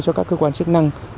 cho các cơ quan chức năng